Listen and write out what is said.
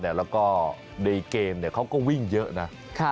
แล้วก็ในเกมเขาก็วิ่งเยอะนะ